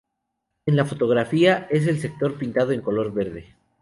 En la fotografía, es el sector pintado en color verde.